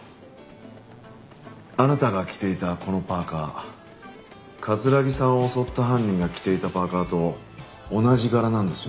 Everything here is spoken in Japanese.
あなたが着ていたこのパーカ城さんを襲った犯人が着ていたパーカと同じ柄なんですよ。